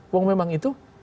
woh memang itu